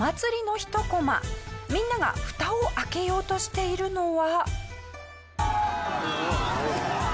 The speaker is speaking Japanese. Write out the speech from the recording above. みんながフタを開けようとしているのは。